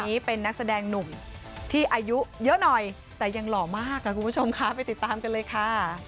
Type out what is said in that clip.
นี้เป็นนักแสดงหนุ่มที่อายุเยอะหน่อยแต่ยังหล่อมากค่ะคุณผู้ชมค่ะไปติดตามกันเลยค่ะ